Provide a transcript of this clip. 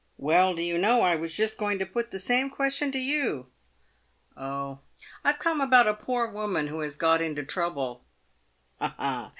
" Well, do you know, I was just going to put the same question to you?" " Oh, I've come about a poor woman who has got into trouble." " Ha, ha !